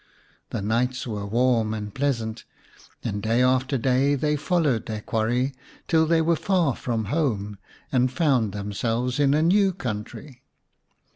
The nights were warm and pleasant, and day after day they followed their quarry till they were far from home and found themselves in a new country.